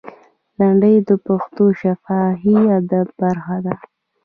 لنډۍ د پښتو شفاهي ادب برخه ده.